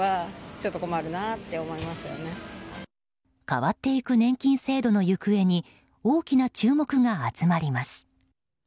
変わっていく年金制度の行方に大きな注目が集まります。